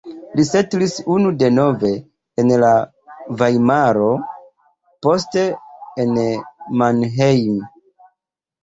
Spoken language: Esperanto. Li setlis unu denove en Vajmaro, poste en Mannheim.